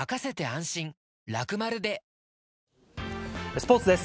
スポーツです。